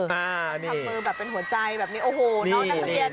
ทำมือแบบเป็นหัวใจแบบนี้โอ้โหน้องนักเรียน